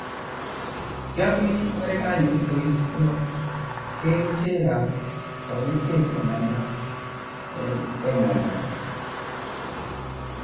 tiemei Marekani koisto kerichekab bokitee komanda eng emonoto